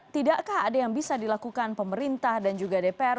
tidakkah ada yang bisa dilakukan pemerintah dan juga dpr